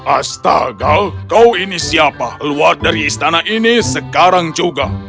astagal kau ini siapa luar dari istana ini sekarang juga